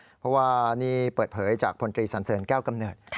เพราะว่านี่เปิดเผยจากพลตรีสันเสริญแก้วกำเนิด